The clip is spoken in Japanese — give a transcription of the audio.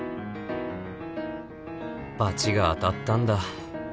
バチが当たったんだ